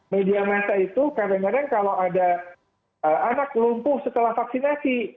media masa itu kadang kadang kalau ada anak lumpuh setelah vaksinasi